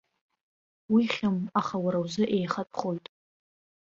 Уи хьым, аха уара узы еихатәхоит!